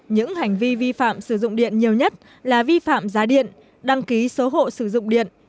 những hành vi vi phạm sử dụng điện nhiều nhất là vi phạm giá điện đăng ký số hộ sử dụng điện